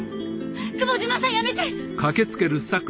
久保島さんやめて！